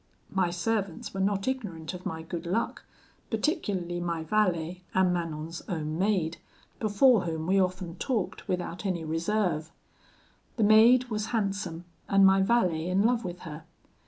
My servants were not ignorant of my good luck, particularly my valet and Manon's own maid, before whom we often talked without any reserve. The maid was handsome, and my valet in love with her.